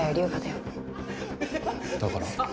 だから？